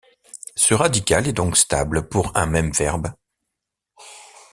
Ce radical est donc stable pour un même verbe.